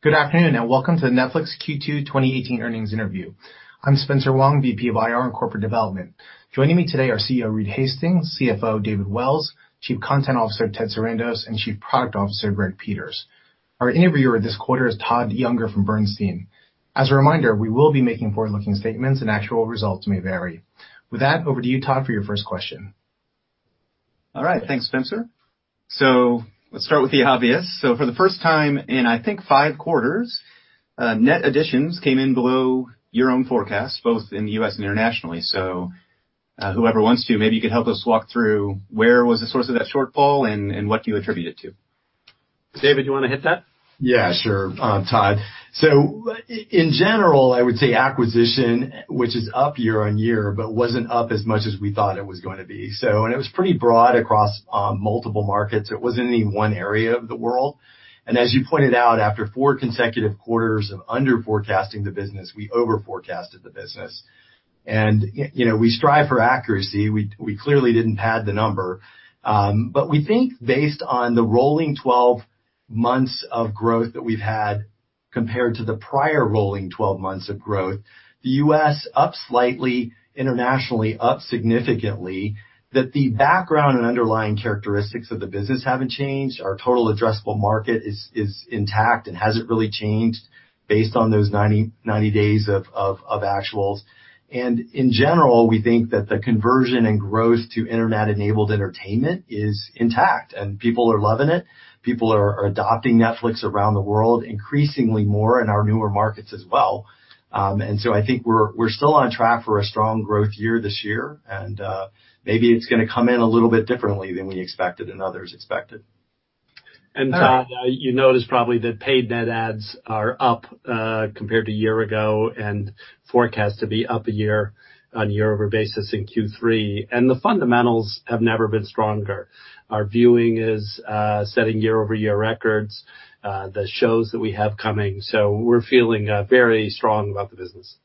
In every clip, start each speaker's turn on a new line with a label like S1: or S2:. S1: Good afternoon, welcome to the Netflix Q2 2018 earnings interview. I'm Spencer Wang, VP of IR and Corporate Development. Joining me today are CEO Reed Hastings, CFO David Wells, Chief Content Officer Ted Sarandos, and Chief Product Officer Greg Peters. Our interviewer this quarter is Todd Juenger from Bernstein. As a reminder, we will be making forward-looking statements, and actual results may vary. With that, over to you, Todd, for your first question.
S2: All right. Thanks, Spencer. Let's start with the obvious. For the first time in, I think, five quarters, net additions came in below your own forecast, both in the U.S. and internationally. Whoever wants to, maybe you could help us walk through where was the source of that shortfall and what do you attribute it to?
S3: David, do you want to hit that?
S4: Yeah, sure, Todd. In general, I would say acquisition, which is up year-on-year, but wasn't up as much as we thought it was going to be. It was pretty broad across multiple markets. It wasn't any one area of the world. As you pointed out, after four consecutive quarters of under forecasting the business, we over forecasted the business. We strive for accuracy. We clearly didn't pad the number. We think based on the rolling 12 months of growth that we've had compared to the prior rolling 12 months of growth, the U.S. up slightly, internationally up significantly, that the background and underlying characteristics of the business haven't changed. Our total addressable market is intact and hasn't really changed based on those 90 days of actuals. In general, we think that the conversion and growth to internet-enabled entertainment is intact. People are loving it. People are adopting Netflix around the world increasingly more in our newer markets as well. I think we're still on track for a strong growth year this year, and maybe it's going to come in a little bit differently than we expected and others expected.
S3: All right. Todd, you notice probably that paid net adds are up compared to a year ago and forecast to be up a year-over-year basis in Q3. The fundamentals have never been stronger. Our viewing is setting year-over-year records, the shows that we have coming. We're feeling very strong about the business.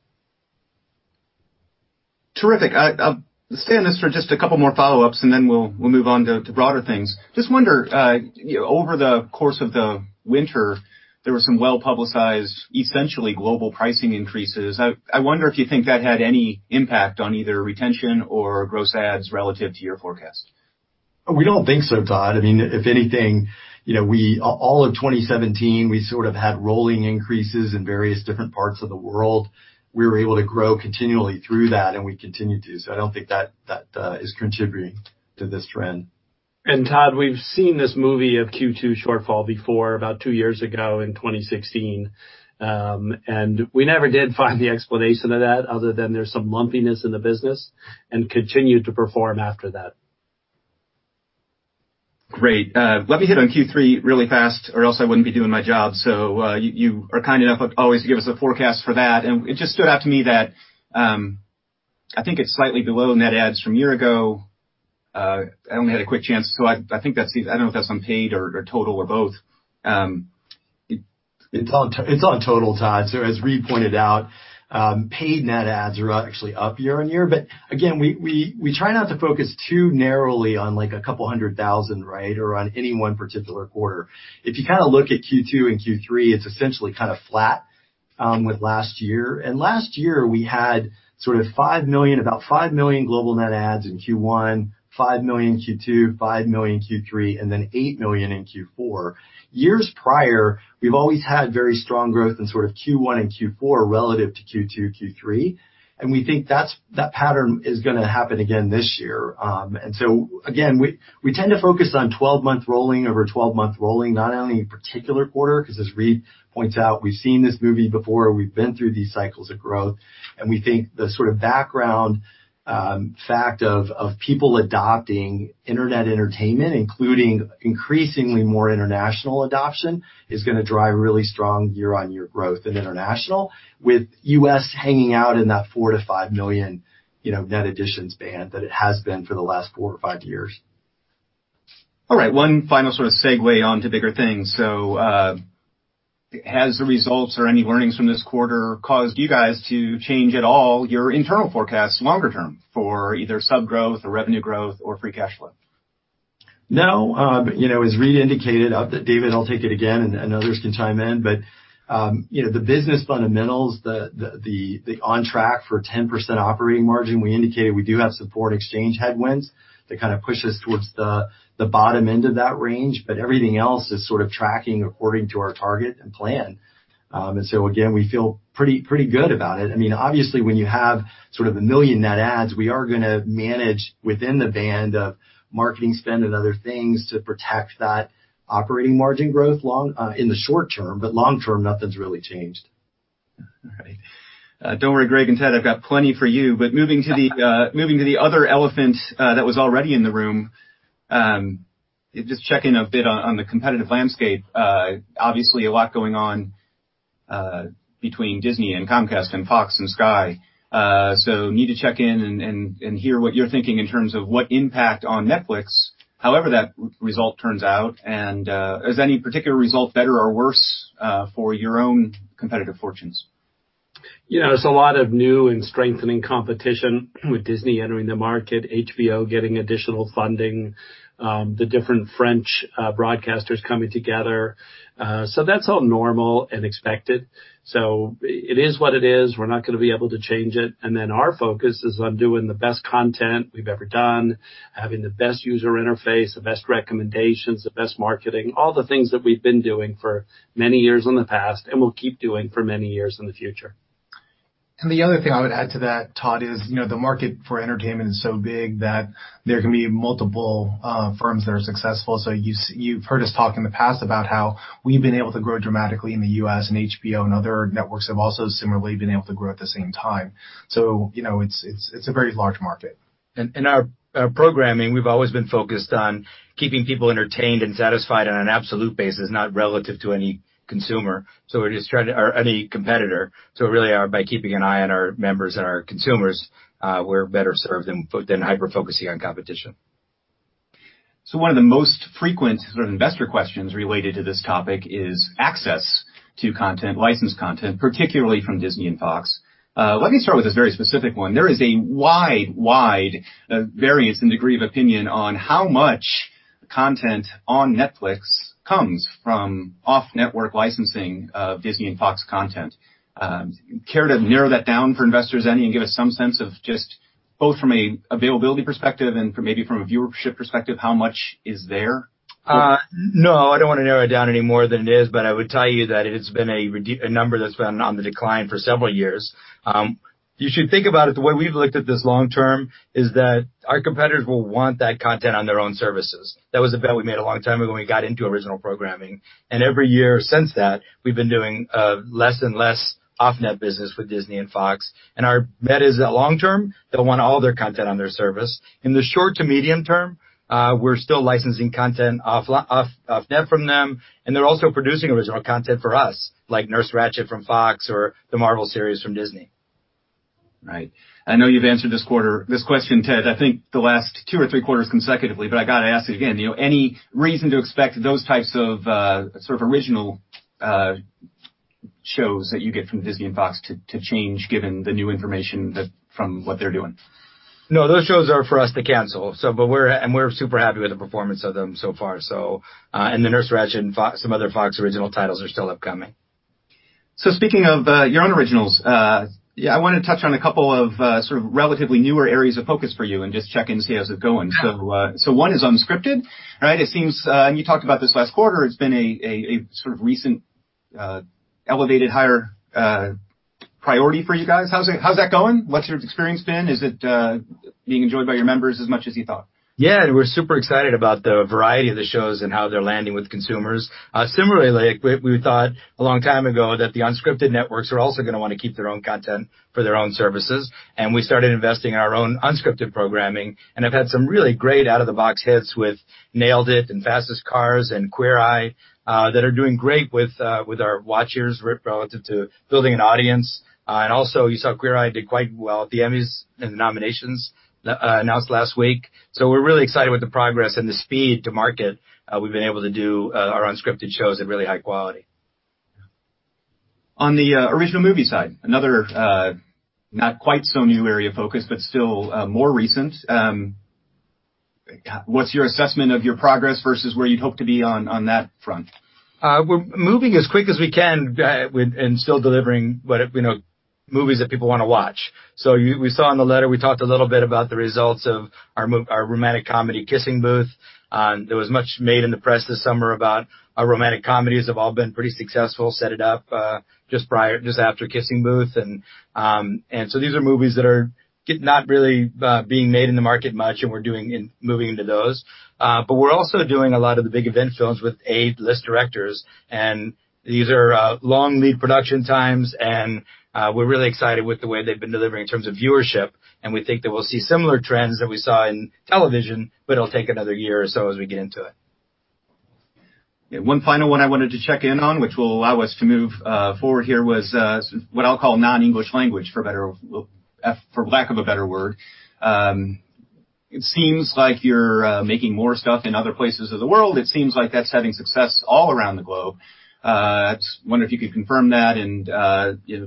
S2: Terrific. I'll stay on this for just a couple more follow-ups, and then we'll move on to broader things. I just wonder, over the course of the winter, there were some well-publicized, essentially global pricing increases. I wonder if you think that had any impact on either retention or gross adds relative to your forecast.
S4: We don't think so, Todd. If anything, all of 2017, we sort of had rolling increases in various different parts of the world. We were able to grow continually through that, and we continue to. I don't think that is contributing to this trend.
S1: Todd, we've seen this movie of Q2 shortfall before, about two years ago in 2016. We never did find the explanation of that other than there's some lumpiness in the business and continued to perform after that.
S2: Great. Let me hit on Q3 really fast or else I wouldn't be doing my job. You are kind enough always to give us a forecast for that, it just stood out to me that, I think it's slightly below net adds from a year ago. I only had a quick chance to I don't know if that's on paid or total or both.
S4: It's on total, Todd. As Reed pointed out, paid net adds are actually up year-on-year. Again, we try not to focus too narrowly on a couple 100,000, or on any one particular quarter. If you kind of look at Q2 and Q3, it's essentially kind of flat with last year. Last year we had about 5 million global net adds in Q1, 5 million in Q2, 5 million in Q3, and then 8 million in Q4. Years prior, we've always had very strong growth in sort of Q1 and Q4 relative to Q2, Q3, and we think that pattern is going to happen again this year. Again, we tend to focus on 12-month rolling over 12-month rolling, not on any particular quarter because as Reed points out, we've seen this movie before. We've been through these cycles of growth. We think the sort of background fact of people adopting internet entertainment, including increasingly more international adoption, is going to drive really strong year-on-year growth in international with U.S. hanging out in that $4 million-$5 million net additions band that it has been for the last four or five years.
S2: All right. One final sort of segue on to bigger things. Has the results or any learnings from this quarter caused you guys to change at all your internal forecasts longer term for either sub growth or revenue growth or free cash flow?
S4: No. As Reed indicated, David, I'll take it again. Others can chime in. The business fundamentals, the on track for 10% operating margin, we indicated we do have support exchange headwinds that kind of push us towards the bottom end of that range. Everything else is sort of tracking according to our target and plan. Again, we feel pretty good about it. Obviously, when you have sort of a million net adds, we are going to manage within the band of marketing spend and other things to protect that operating margin growth in the short term. Long term, nothing's really changed.
S2: All right. Don't worry, Greg and Ted, I've got plenty for you. Moving to the other elephant that was already in the room, just check in a bit on the competitive landscape. Obviously, a lot going on between Disney and Comcast and Fox and Sky. Need to check in and hear what you're thinking in terms of what impact on Netflix, however that result turns out. Is any particular result better or worse for your own competitive fortunes?
S5: There's a lot of new and strengthening competition with Disney entering the market, HBO getting additional funding, the different French broadcasters coming together. That's all normal and expected. It is what it is. We're not going to be able to change it. Our focus is on doing the best content we've ever done, having the best user interface, the best recommendations, the best marketing, all the things that we've been doing for many years in the past and will keep doing for many years in the future.
S6: The other thing I would add to that, Todd, is the market for entertainment is so big that there can be multiple firms that are successful. You've heard us talk in the past about how we've been able to grow dramatically in the U.S., and HBO and other networks have also similarly been able to grow at the same time. It's a very large market.
S5: Our programming, we've always been focused on keeping people entertained and satisfied on an absolute basis, not relative to any competitor. Really by keeping an eye on our members and our consumers, we're better served than hyper-focusing on competition.
S2: One of the most frequent investor questions related to this topic is access to licensed content, particularly from Disney and Fox. Let me start with a very specific one. There is a wide variance in degree of opinion on how much content on Netflix comes from off-network licensing of Disney and Fox content. Care to narrow that down for investors any, and give us some sense of just both from an availability perspective and maybe from a viewership perspective, how much is there?
S5: No, I don't want to narrow it down any more than it is, but I would tell you that it has been a number that's been on the decline for several years. You should think about it, the way we've looked at this long term is that our competitors will want that content on their own services. That was a bet we made a long time ago when we got into original programming, and every year since then, we've been doing less and less off-net business with Disney and Fox, and our bet is that long term, they'll want all their content on their service. In the short to medium term, we're still licensing content off-net from them, and they're also producing original content for us, like "Ratched" from Fox or the Marvel series from Disney.
S2: Right. I know you've answered this question, Ted, I think the last two or three quarters consecutively, but I got to ask it again. Any reason to expect those types of original shows that you get from Disney and Fox to change given the new information from what they're doing?
S5: No, those shows are for us to cancel. We're super happy with the performance of them so far. The "Ratched" and some other Fox original titles are still upcoming.
S2: Speaking of your own originals, I want to touch on a couple of relatively newer areas of focus for you and just check in to see how's it going. One is unscripted. You talked about this last quarter, it's been a recent elevated higher priority for you guys. How's that going? What's your experience been? Is it being enjoyed by your members as much as you thought?
S5: Yeah. We're super excited about the variety of the shows and how they're landing with consumers. Similarly, we thought a long time ago that the unscripted networks are also going to want to keep their own content for their own services. We started investing in our own unscripted programming and have had some really great out-of-the-box hits with "Nailed It!" and "Fastest Car" and "Queer Eye" that are doing great with our watchers relative to building an audience. You saw "Queer Eye" did quite well at the Emmys in the nominations announced last week. We're really excited with the progress and the speed to market we've been able to do our unscripted shows at really high quality.
S2: On the original movie side, another not quite so new area of focus, but still more recent. What's your assessment of your progress versus where you'd hope to be on that front?
S5: We're moving as quick as we can and still delivering movies that people want to watch. You saw in the letter, we talked a little bit about the results of our romantic comedy, "Kissing Booth." There was much made in the press this summer about our romantic comedies have all been pretty successful, Set It Up just after "Kissing Booth." These are movies that are not really being made in the market much, and we're moving into those. We're also doing a lot of the big event films with A-list directors, and these are long lead production times, and we're really excited with the way they've been delivering in terms of viewership, and we think that we'll see similar trends that we saw in television, but it'll take another year or so as we get into it.
S2: One final one I wanted to check in on, which will allow us to move forward here, was what I'll call non-English language, for lack of a better word. It seems like you're making more stuff in other places of the world. It seems like that's having success all around the globe. I just wonder if you could confirm that and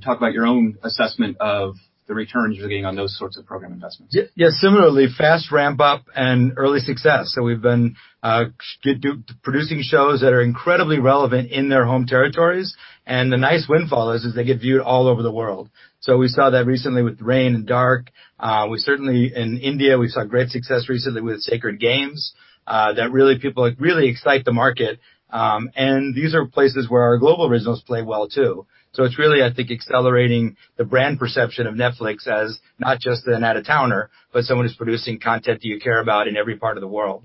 S2: talk about your own assessment of the returns you're getting on those sorts of program investments.
S5: Yeah. Similarly, fast ramp-up and early success. We've been producing shows that are incredibly relevant in their home territories, and the nice windfall is they get viewed all over the world. We saw that recently with "Reign" and "Dark." Certainly in India, we saw great success recently with "Sacred Games" that really excite the market. These are places where our global originals play well, too. It's really, I think, accelerating the brand perception of Netflix as not just an out-of-towner, but someone who's producing content that you care about in every part of the world.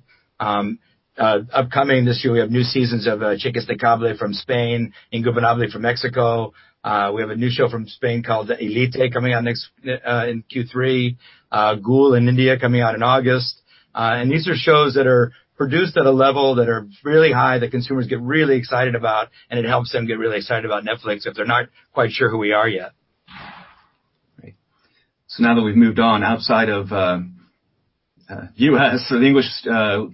S5: Upcoming this year, we have new seasons of "Chicas del Cable" from Spain and "Club de Cuervos" from Mexico. We have a new show from Spain called "Elite" coming out in Q3, "Ghoul" in India coming out in August. These are shows that are produced at a level that are really high, that consumers get really excited about, and it helps them get really excited about Netflix if they're not quite sure who we are yet.
S2: Now that we've moved on outside of U.S. or the English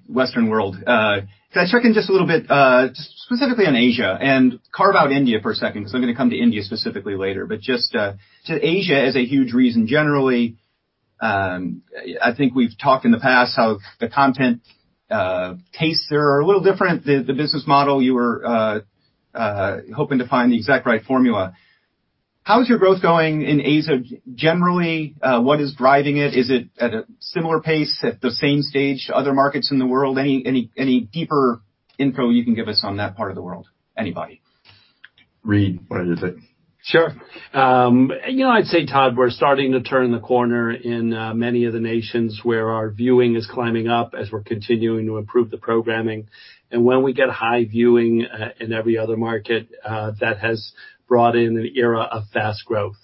S2: Western world, could I check in just a little bit, just specifically on Asia, and carve out India for a second, because I'm going to come to India specifically later. Just to Asia as a huge reason, generally, I think we've talked in the past how the content tastes there are a little different. The business model, you were hoping to find the exact right formula. How is your growth going in Asia? Generally, what is driving it? Is it at a similar pace, at the same stage to other markets in the world? Any deeper info you can give us on that part of the world? Anybody.
S4: Reed, why don't you take it?
S3: Sure. I'd say, Todd, we're starting to turn the corner in many of the nations where our viewing is climbing up as we're continuing to improve the programming. When we get high viewing in every other market, that has brought in an era of fast growth.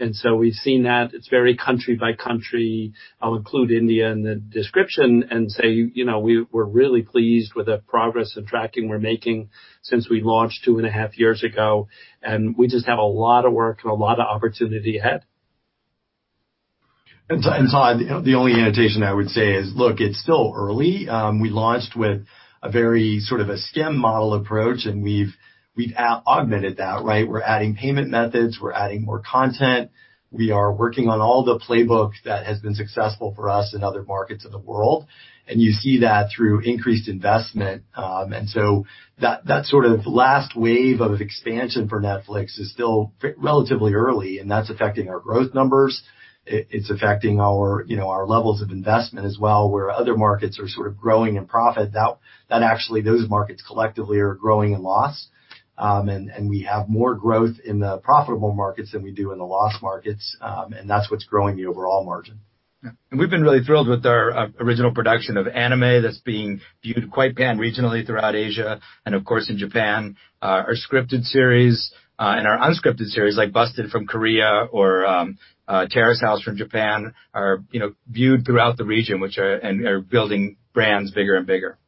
S3: We've seen that. It's very country by country. I'll include India in the description and say we're really pleased with the progress and tracking we're making since we launched two and a half years ago, and we just have a lot of work and a lot of opportunity ahead.
S4: Todd, the only annotation I would say is, look, it's still early. We launched with a very sort of a [stem] model approach, and we've augmented that, right? We're adding payment methods. We're adding more content. We are working on all the playbook that has been successful for us in other markets in the world, and you see that through increased investment. That sort of last wave of expansion for Netflix is still relatively early, and that's affecting our growth numbers. It's affecting our levels of investment as well, where other markets are sort of growing in profit. That actually those markets collectively are growing in loss. We have more growth in the profitable markets than we do in the loss markets, and that's what's growing the overall margin.
S2: Yeah. We've been really thrilled with our original production of anime that's being viewed quite pan-regionally throughout Asia and of course, in Japan. Our scripted series and our unscripted series, like "Busted!" from Korea or "Terrace House" from Japan, are viewed throughout the region, and are building brands bigger and bigger.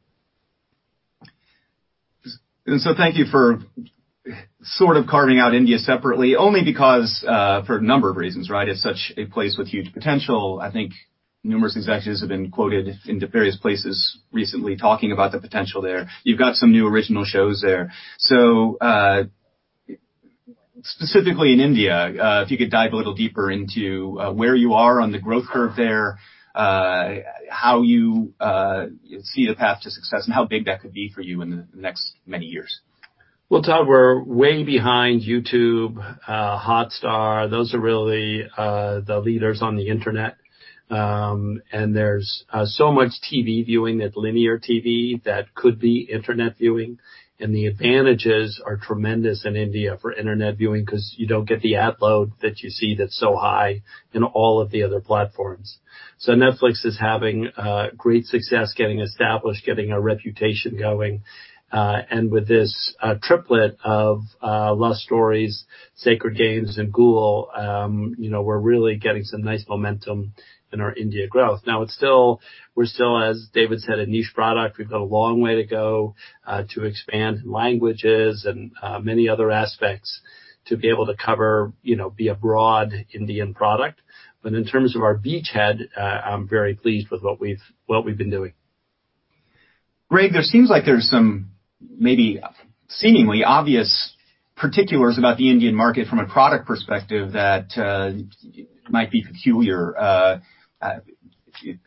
S2: Thank you for sort of carving out India separately, only because for a number of reasons, right? It's such a place with huge potential. I think numerous executives have been quoted into various places recently talking about the potential there. You've got some new original shows there. Specifically in India, if you could dive a little deeper into where you are on the growth curve there, how you see the path to success, and how big that could be for you in the next many years.
S3: Well, Todd, we're way behind YouTube, Hotstar. Those are really the leaders on the Internet. There's so much TV viewing that linear TV that could be Internet viewing. The advantages are tremendous in India for Internet viewing because you don't get the ad load that you see that's so high in all of the other platforms. Netflix is having great success getting established, getting a reputation going. With this triplet of "Lust Stories," "Sacred Games," and "Ghoul," we're really getting some nice momentum in our India growth. Now, we're still, as David said, a niche product. We've got a long way to go to expand languages and many other aspects to be able to cover, be a broad Indian product. In terms of our beachhead, I'm very pleased with what we've been doing.
S2: Greg, there seems like there's some maybe seemingly obvious particulars about the Indian market from a product perspective that might be peculiar.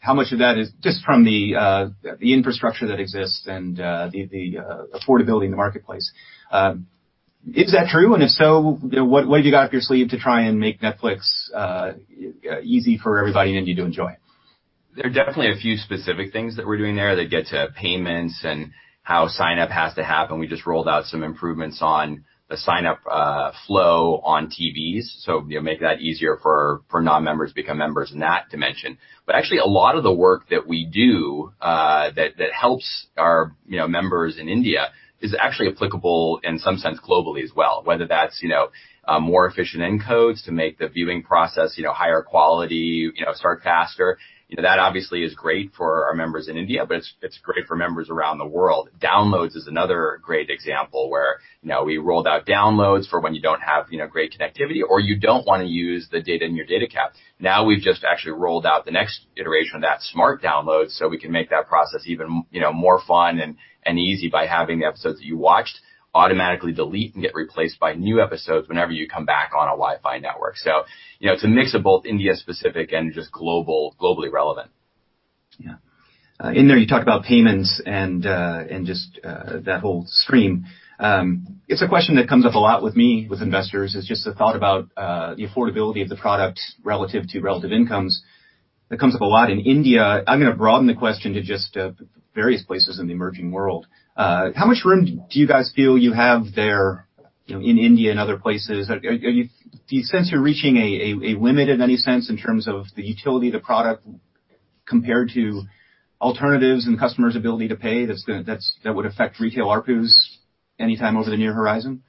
S2: How much of that is just from the infrastructure that exists and the affordability in the marketplace? Is that true, and if so, what have you got up your sleeve to try and make Netflix easy for everybody in India to enjoy?
S6: There are definitely a few specific things that we're doing there that get to payments and how signup has to happen. We just rolled out some improvements on the signup flow on TVs, so make that easier for non-members to become members in that dimension. Actually, a lot of the work that we do that helps our members in India is actually applicable in some sense globally as well, whether that's more efficient encodes to make the viewing process higher quality, start faster. That obviously is great for our members in India, but it's great for members around the world. Downloads is another great example where we rolled out downloads for when you don't have great connectivity or you don't want to use the data in your data cap. Now we've just actually rolled out the next iteration of that Smart Downloads so we can make that process even more fun and easy by having episodes that you watched automatically delete and get replaced by new episodes whenever you come back on a Wi-Fi network. It's a mix of both India-specific and just globally relevant.
S2: Yeah. In there you talked about payments and just that whole stream. It's a question that comes up a lot with me, with investors, is just the thought about the affordability of the product relative to relative incomes. That comes up a lot in India. I'm going to broaden the question to just various places in the emerging world. How much room do you guys feel you have there in India and other places? Do you sense you're reaching a limit in any sense in terms of the utility of the product compared to alternatives and customers' ability to pay that would affect retail ARPUs anytime over the near horizon?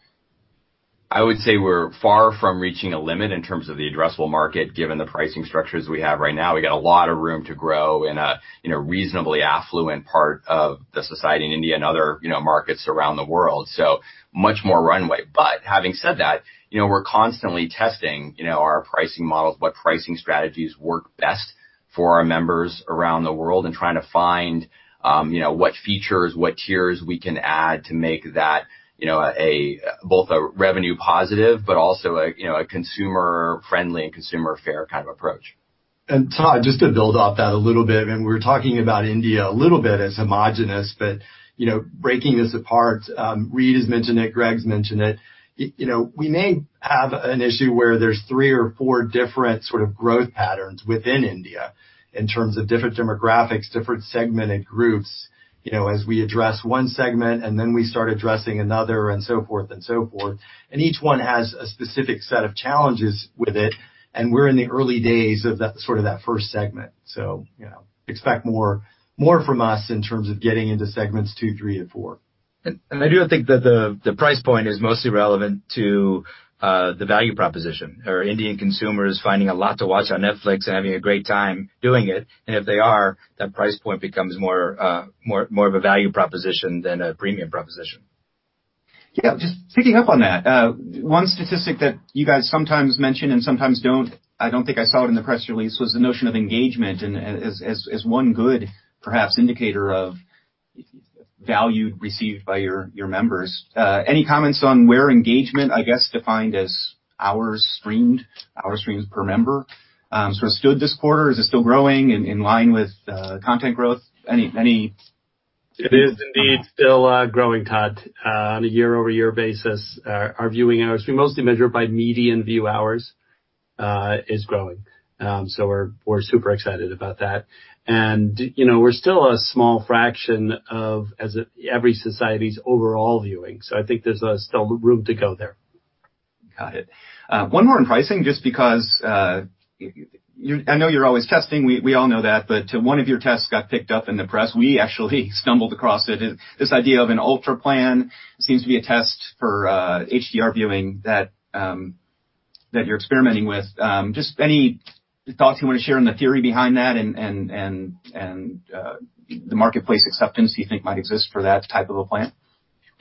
S6: I would say we're far from reaching a limit in terms of the addressable market, given the pricing structures we have right now. We got a lot of room to grow in a reasonably affluent part of the society in India and other markets around the world. Much more runway. Having said that, we're constantly testing our pricing models, what pricing strategies work best for our members around the world and trying to find what features, what tiers we can add to make that both a revenue positive but also a consumer-friendly and consumer fair kind of approach.
S4: Todd, just to build off that a little bit. We're talking about India a little bit as homogenous, but breaking this apart, Reed has mentioned it, Greg Peters mentioned it. We may have an issue where there's three or four different sort of growth patterns within India in terms of different demographics, different segmented groups as we address 1 segment and then we start addressing another and so forth. Each one has a specific set of challenges with it, and we're in the early days of that first segment. Expect more from us in terms of getting into segments 2, 3, and 4.
S5: I do think that the price point is mostly relevant to the value proposition. Are Indian consumers finding a lot to watch on Netflix and having a great time doing it? If they are, that price point becomes more of a value proposition than a premium proposition.
S2: Yeah, just picking up on that. One statistic that you guys sometimes mention and sometimes don't, I don't think I saw it in the press release, was the notion of engagement as one good perhaps indicator of value received by your members. Any comments on where engagement, I guess, defined as hours streamed, hours streamed per member, sort of stood this quarter? Is it still growing in line with content growth?
S4: It is indeed still growing, Todd. On a year-over-year basis, our viewing hours, we mostly measure it by median view hours, is growing. We're super excited about that. We're still a small fraction of every society's overall viewing. I think there's still room to go there.
S2: Got it. One more on pricing, just because I know you're always testing, we all know that, one of your tests got picked up in the press. We actually stumbled across it. This idea of an ultra plan seems to be a test for HDR viewing that you're experimenting with. Just any thoughts you want to share on the theory behind that and the marketplace acceptance you think might exist for that type of a plan?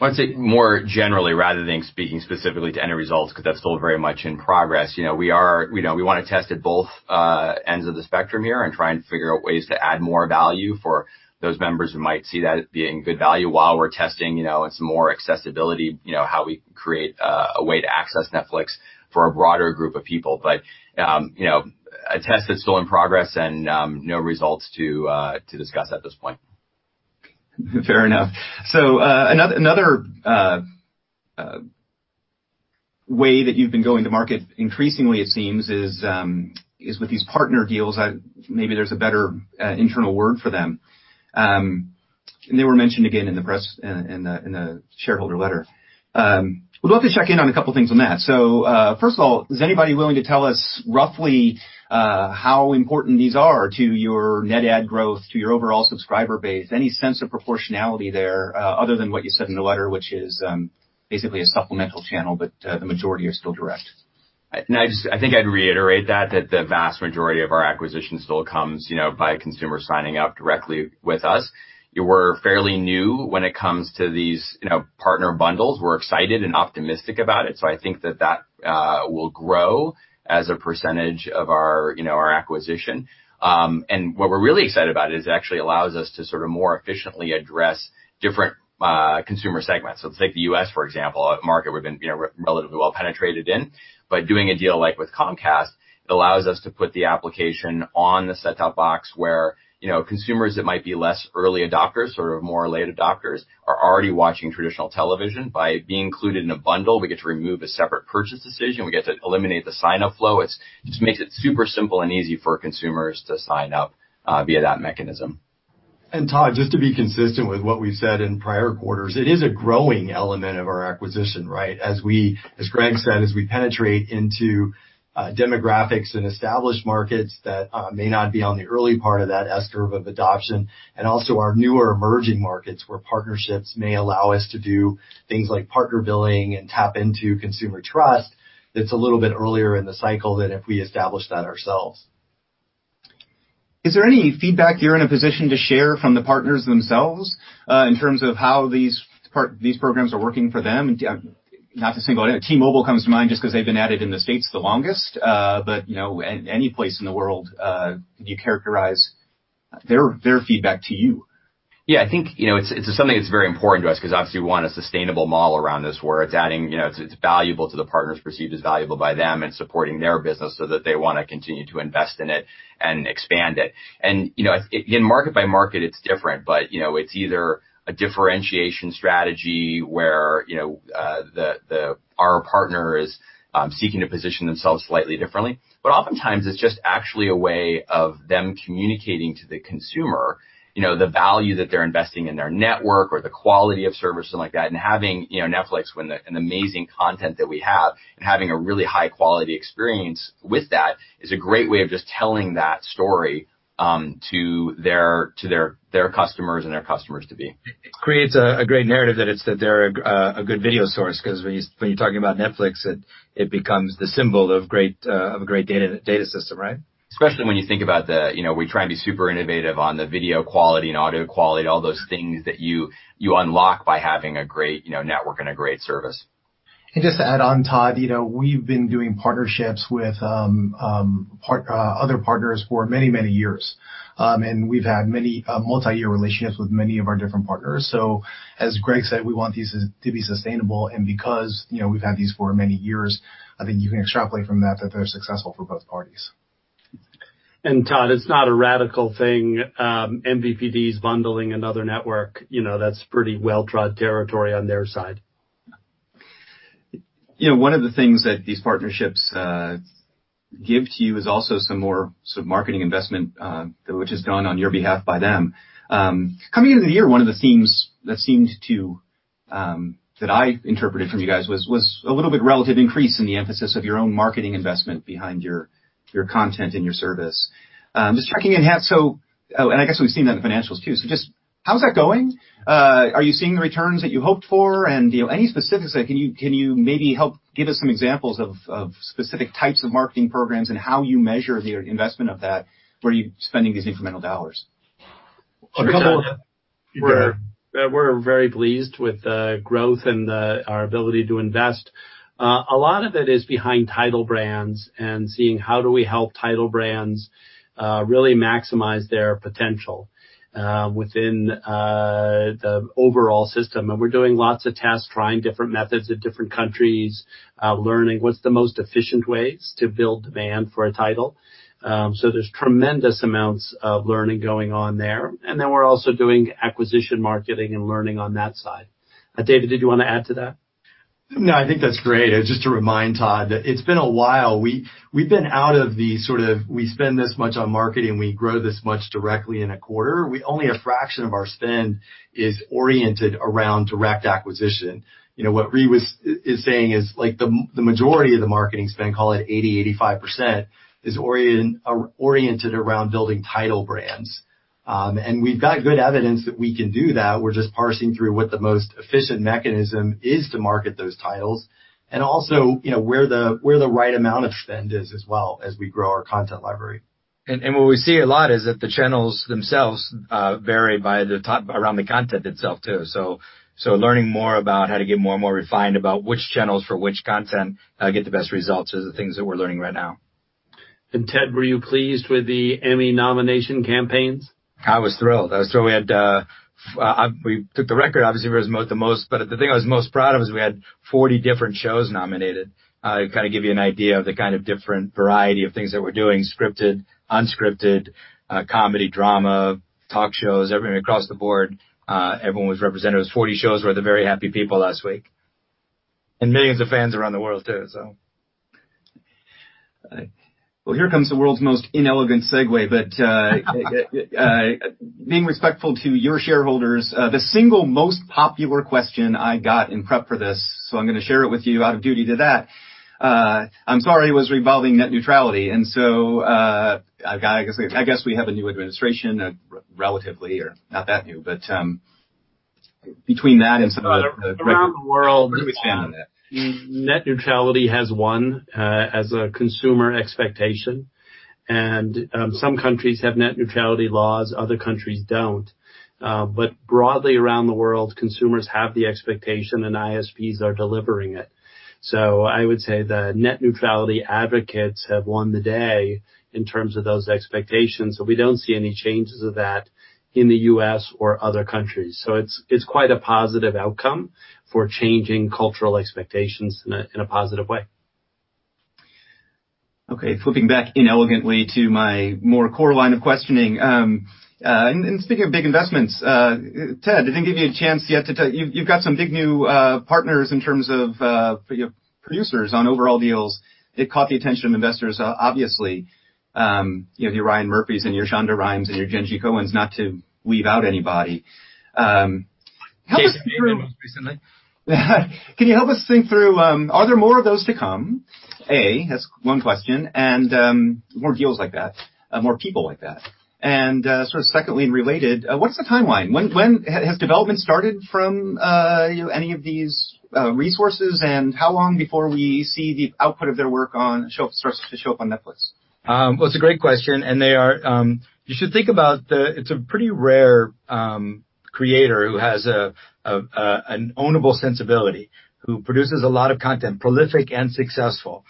S6: Well, I'd say more generally rather than speaking specifically to any results, because that's still very much in progress. We want to test at both ends of the spectrum here and try and figure out ways to add more value for those members who might see that as being good value while we're testing and some more accessibility, how we create a way to access Netflix for a broader group of people. A test that's still in progress and no results to discuss at this point.
S2: Fair enough. Another way that you've been going to market increasingly, it seems, is with these partner deals. Maybe there's a better internal word for them. They were mentioned again in the press in the shareholder letter. Would love to check in on a couple things on that. First of all, is anybody willing to tell us roughly how important these are to your net add growth, to your overall subscriber base? Any sense of proportionality there other than what you said in the letter, which is basically a supplemental channel, but the majority are still direct.
S6: I think I'd reiterate that the vast majority of our acquisition still comes by a consumer signing up directly with us. We're fairly new when it comes to these partner bundles. We're excited and optimistic about it. I think that that will grow as a percentage of our acquisition. What we're really excited about is it actually allows us to sort of more efficiently address different consumer segments. Take the U.S., for example, a market we've been relatively well penetrated in. By doing a deal like with Comcast, it allows us to put the application on the set-top box where consumers that might be less early adopters, sort of more late adopters, are already watching traditional television. By being included in a bundle, we get to remove a separate purchase decision. We get to eliminate the sign-up flow. It just makes it super simple and easy for consumers to sign up via that mechanism.
S4: Todd, just to be consistent with what we've said in prior quarters, it is a growing element of our acquisition. As Greg said, as we penetrate into demographics and established markets that may not be on the early part of that S-curve of adoption, and also our newer emerging markets where partnerships may allow us to do things like partner billing and tap into consumer trust, that's a little bit earlier in the cycle than if we establish that ourselves.
S2: Is there any feedback you're in a position to share from the partners themselves in terms of how these programs are working for them? Not to single out. T-Mobile comes to mind just because they've been at it in the States the longest. Any place in the world, could you characterize their feedback to you?
S6: Yeah, I think it's something that's very important to us because obviously we want a sustainable model around this where it's valuable to the partners, perceived as valuable by them and supporting their business so that they want to continue to invest in it and expand it. In market by market, it's different, but it's either a differentiation strategy where our partner is seeking to position themselves slightly differently. Oftentimes, it's just actually a way of them communicating to the consumer the value that they're investing in their network or the quality of service and like that, and having Netflix and the amazing content that we have
S2: Having a really high-quality experience with that is a great way of just telling that story to their customers and their customers to be.
S4: It creates a great narrative that they're a good video source, because when you're talking about Netflix, it becomes the symbol of a great data system, right?
S6: Especially when you think about, we try and be super innovative on the video quality and audio quality and all those things that you unlock by having a great network and a great service.
S1: Todd, we've been doing partnerships with other partners for many, many years. We've had many multi-year relationships with many of our different partners. As Greg said, we want these to be sustainable. Because we've had these for many years, I think you can extrapolate from that they're successful for both parties.
S3: Todd, it's not a radical thing. MVPDs bundling another network. That's pretty well-trod territory on their side.
S2: One of the things that these partnerships give to you is also some more sort of marketing investment, which is done on your behalf by them. Coming into the year, one of the themes that I interpreted from you guys was a little bit relative increase in the emphasis of your own marketing investment behind your content and your service. Just checking in, how's that going? Are you seeing the returns that you hoped for? Any specifics there? Can you maybe help give us some examples of specific types of marketing programs and how you measure the investment of that? Where are you spending these incremental dollars?
S3: A couple of-
S4: You go ahead.
S1: We're very pleased with the growth and our ability to invest. A lot of it is behind title brands and seeing how do we help title brands really maximize their potential within the overall system. We're doing lots of tests, trying different methods in different countries, learning what's the most efficient ways to build demand for a title. There's tremendous amounts of learning going on there. We're also doing acquisition marketing and learning on that side. David, did you want to add to that?
S4: No, I think that's great. Just to remind, Todd, that it's been a while. We've been out of the sort of, we spend this much on marketing, we grow this much directly in a quarter. Only a fraction of our spend is oriented around direct acquisition. What Reed is saying is the majority of the marketing spend, call it 80%, 85%, is oriented around building title brands. We've got good evidence that we can do that. We're just parsing through what the most efficient mechanism is to market those titles and also, where the right amount of spend is as well as we grow our content library.
S5: What we see a lot is that the channels themselves vary around the content itself too. Learning more about how to get more and more refined about which channels for which content get the best results is the things that we're learning right now.
S3: Were you pleased with the Emmy nomination campaigns?
S5: I was thrilled. I was thrilled we took the record, obviously, for the most. The thing I was most proud of is we had 40 different shows nominated. To kind of give you an idea of the kind of different variety of things that we're doing, scripted, unscripted, comedy, drama, talk shows, everything across the board. Everyone was represented. Those 40 shows were the very happy people last week. Millions of fans around the world too.
S2: Well, here comes the world's most inelegant segue, but being respectful to your shareholders, the single most popular question I got in prep for this, so I'm going to share it with you out of duty to that. I'm sorry, was revolving net neutrality. I guess we have a new administration, relatively, or not that new, but between that and some of the.
S3: Around the world.
S2: Where do we stand on that?
S1: Net neutrality has won as a consumer expectation. Some countries have net neutrality laws, other countries don't. Broadly around the world, consumers have the expectation, and ISPs are delivering it. I would say the net neutrality advocates have won the day in terms of those expectations. We don't see any changes of that in the U.S. or other countries. It's quite a positive outcome for changing cultural expectations in a positive way.
S2: Okay, flipping back inelegantly to my more core line of questioning. Speaking of big investments, Ted, I didn't give you a chance yet. You've got some big new partners in terms of your producers on overall deals. It caught the attention of investors, obviously. Your Ryan Murphys and your Shonda Rhimes and your Jenji Kohan, not to leave out anybody.
S5: Jason Sudeikis recently.
S2: Can you help us think through, are there more of those to come? That's one question. More deals like that, more people like that. Sort of secondly, and related, what's the timeline? Has development started from any of these resources, and how long before we see the output of their work on starts to show up on Netflix?
S5: Well, it's a great question. You should think about it's a pretty rare creator who has an ownable sensibility, who produces a lot of content, prolific and successful.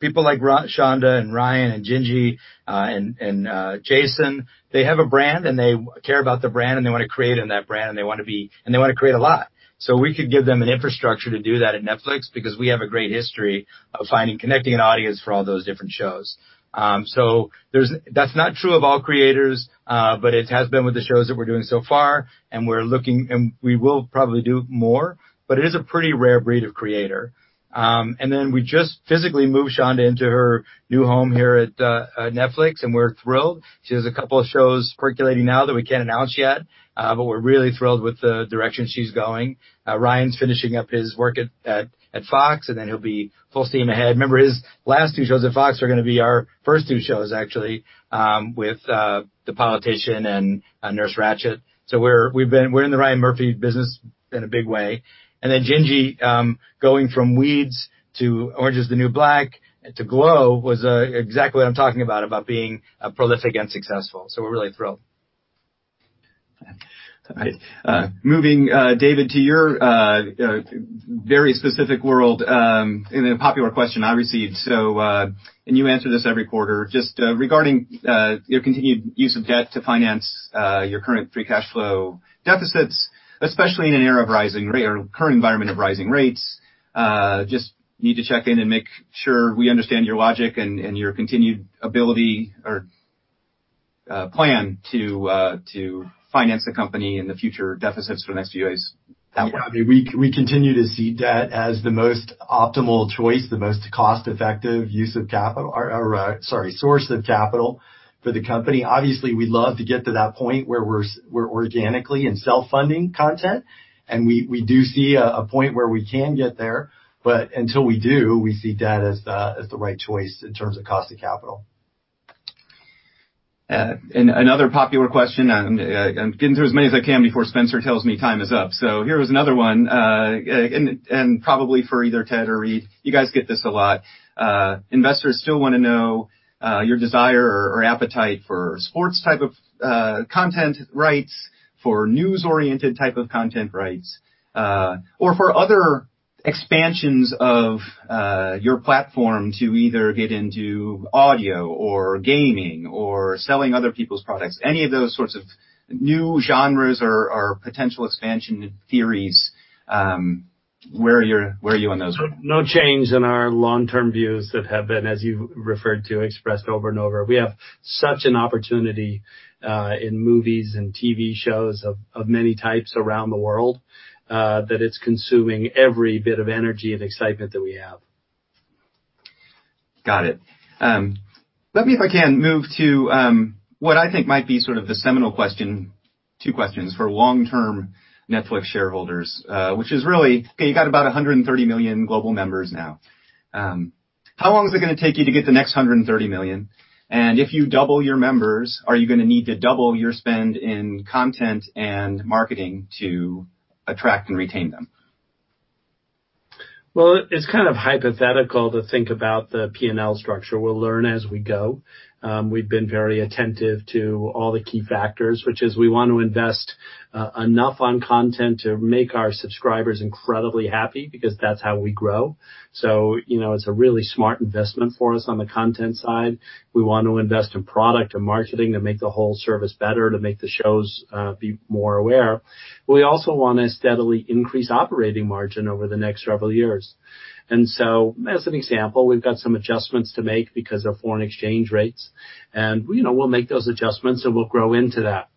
S5: People like Shonda and Ryan and Jenji and Jason, they have a brand, and they care about the brand, and they want to create in that brand, and they want to create a lot. We could give them an infrastructure to do that at Netflix because we have a great history of finding, connecting an audience for all those different shows. That's not true of all creators, but it has been with the shows that we're doing so far, and we will probably do more. It is a pretty rare breed of creator. Then we just physically moved Shonda into her new home here at Netflix, and we're thrilled. She has a couple of shows percolating now that we can't announce yet, but we're really thrilled with the direction she's going. Ryan's finishing up his work at Fox, then he'll be full steam ahead. Remember, his last two shows at Fox are going to be our first two shows, actually, with "The Politician" and "Nurse Ratched." We're in the Ryan Murphy business in a big way. Then Jenji, going from "Weeds" to "Orange Is the New Black" to "GLOW" was exactly what I'm talking about being prolific and successful. We're really thrilled.
S2: All right. Moving, David, to your very specific world in a popular question I received. You answer this every quarter, just regarding your continued use of debt to finance your current free cash flow deficits, especially in an era of rising rate or current environment of rising rates. Just need to check in and make sure we understand your logic and your continued ability or plan to finance the company and the future deficits for the next few years that way.
S4: Yeah. We continue to see debt as the most optimal choice, the most cost-effective use of capital or, sorry, source of capital for the company. Obviously, we'd love to get to that point where we're organically in self-funding content, and we do see a point where we can get there, but until we do, we see debt as the right choice in terms of cost of capital.
S2: Another popular question, I'm getting through as many as I can before Spencer tells me time is up. Here was another one, and probably for either Ted or Reed. You guys get this a lot. Investors still want to know your desire or appetite for sports type of content rights, for news-oriented type of content rights, or for other expansions of your platform to either get into audio or gaming or selling other people's products. Any of those sorts of new genres or potential expansion theories, where are you on those?
S1: No change in our long-term views that have been, as you've referred to, expressed over and over. We have such an opportunity in movies and TV shows of many types around the world, that it's consuming every bit of energy and excitement that we have.
S2: Got it. Let me, if I can, move to what I think might be sort of the seminal question, two questions for long-term Netflix shareholders, which is really, okay, you got about 130 million global members now. How long is it gonna take you to get the next 130 million? If you double your members, are you gonna need to double your spend in content and marketing to attract and retain them?
S1: It's kind of hypothetical to think about the P&L structure. We'll learn as we go. We've been very attentive to all the key factors, which is we want to invest enough on content to make our subscribers incredibly happy because that's how we grow. It's a really smart investment for us on the content side. We want to invest in product and marketing to make the whole service better, to make the shows be more aware. We also want to steadily increase operating margin over the next several years. As an example, we've got some adjustments to make because of foreign exchange rates. We'll make those adjustments, and we'll grow into that.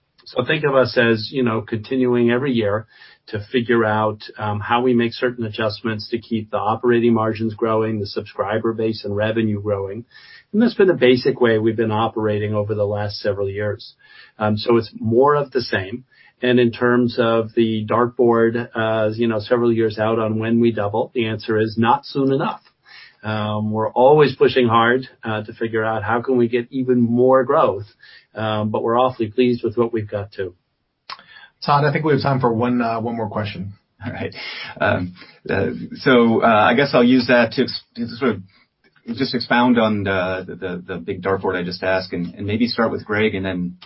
S1: Think of us as continuing every year to figure out how we make certain adjustments to keep the operating margins growing, the subscriber base and revenue growing. That's been the basic way we've been operating over the last several years. It's more of the same. In terms of the dartboard, as several years out on when we double, the answer is not soon enough. We're always pushing hard to figure out how can we get even more growth. We're awfully pleased with what we've got too. Todd, I think we have time for one more question.
S2: All right. I guess I'll use that to sort of just expound on the big dartboard I just asked and maybe start with Greg and then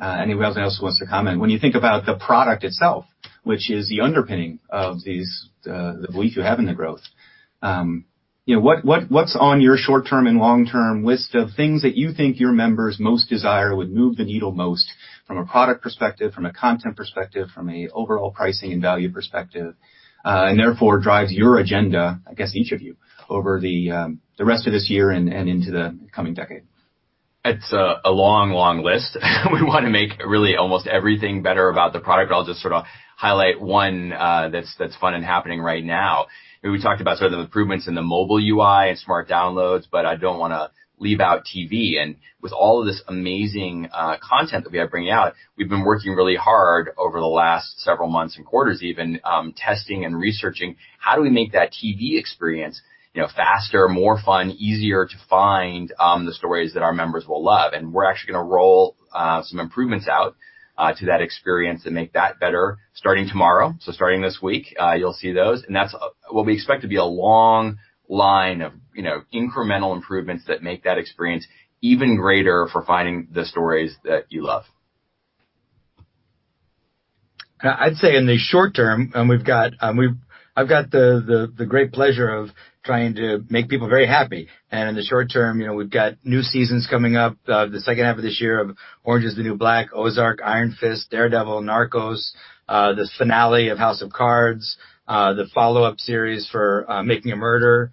S2: anyone else who wants to comment. When you think about the product itself, which is the underpinning of the belief you have in the growth, what's on your short-term and long-term list of things that you think your members most desire would move the needle most from a product perspective, from a content perspective, from an overall pricing and value perspective, and therefore drives your agenda, I guess, each of you, over the rest of this year and into the coming decade?
S6: It's a long list. We want to make really almost everything better about the product, but I'll just sort of highlight one that's fun and happening right now. We talked about sort of improvements in the mobile UI and Smart Downloads, but I don't want to leave out TV. With all of this amazing content that we have bringing out, we've been working really hard over the last several months and quarters even, testing and researching how do we make that TV experience faster, more fun, easier to find the stories that our members will love. We're actually going to roll some improvements out to that experience and make that better starting tomorrow. Starting this week, you'll see those, and that's what we expect to be a long line of incremental improvements that make that experience even greater for finding the stories that you love.
S5: I'd say in the short term, I've got the great pleasure of trying to make people very happy. In the short term, we've got new seasons coming up the second half of this year of "Orange Is the New Black," "Ozark," "Iron Fist," "Daredevil," "Narcos," the finale of "House of Cards," the follow-up series for "Making a Murderer."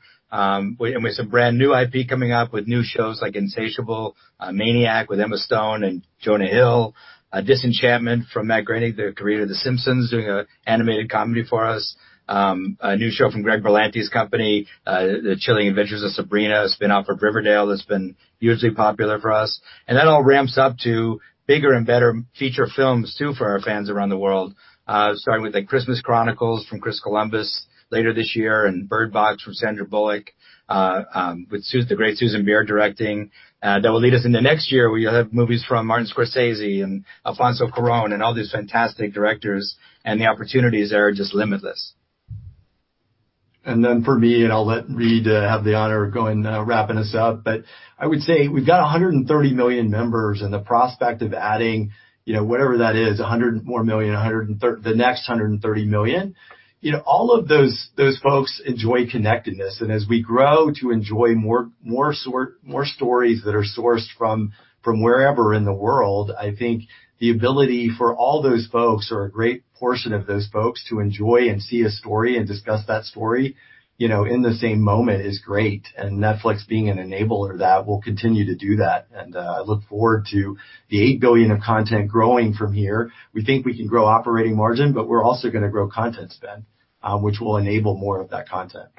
S5: We have some brand new IP coming up with new shows like "Insatiable," "Maniac" with Emma Stone and Jonah Hill, "Disenchantment" from Matt Groening, the creator of "The Simpsons," doing an animated comedy for us. A new show from Greg Berlanti's company, "The Chilling Adventures of Sabrina," spin-off of "Riverdale," that's been hugely popular for us. That all ramps up to bigger and better feature films too, for our fans around the world. Starting with "The Christmas Chronicles" from Chris Columbus later this year and "Bird Box" from Sandra Bullock, with the great Susanne Bier directing. That will lead us into next year where you'll have movies from Martin Scorsese and Alfonso Cuarón and all these fantastic directors, the opportunities are just limitless.
S4: For me, I'll let Reed have the honor of going wrapping us up, I would say we've got 130 million members and the prospect of adding whatever that is, 100 million more, the next 130 million. All of those folks enjoy connectedness. As we grow to enjoy more stories that are sourced from wherever in the world, I think the ability for all those folks or a great portion of those folks to enjoy and see a story and discuss that story in the same moment is great. Netflix being an enabler of that will continue to do that, I look forward to the 8 billion of content growing from here. We think we can grow operating margin, we're also going to grow content spend, which will enable more of that content.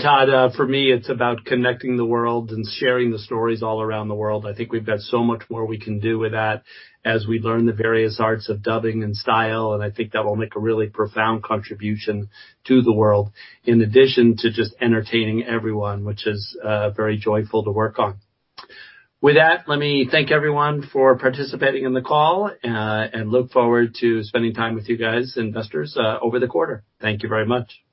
S1: Todd, for me, it's about connecting the world and sharing the stories all around the world. I think we've got so much more we can do with that as we learn the various arts of dubbing and style, I think that will make a really profound contribution to the world, in addition to just entertaining everyone, which is very joyful to work on. With that, let me thank everyone for participating in the call, look forward to spending time with you guys, investors, over the quarter. Thank you very much.